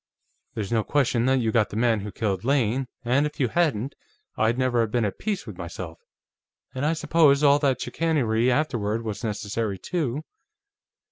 There's no question that you got the man who killed Lane, and if you hadn't, I'd never have been at peace with myself. And I suppose all that chicanery afterward was necessary, too."